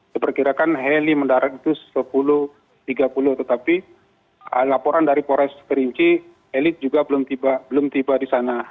diperkirakan heli mendarat itu sepuluh tiga puluh tetapi laporan dari polres kerinci elit juga belum tiba di sana